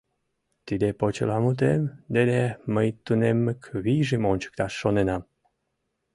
Тиде почеламутем дене мый тунеммык вийжым ончыкташ шоненам.